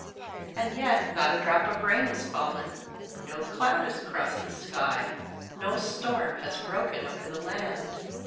And yet not a drop of rain has fallen, no cloud has crossed the sky, no storm has broken over the land.